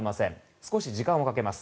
少し時間をかけます。